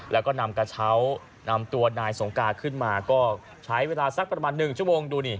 แล้วก็นำกระเช้านำตัวนายสงการขึ้นมาก็ใช้เวลาสักประมาณ๑ชั่วโมงดูนี่